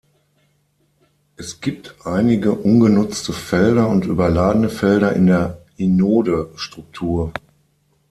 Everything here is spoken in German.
Es gibt einige ungenutzte Felder und überladene Felder in der Inode-Struktur.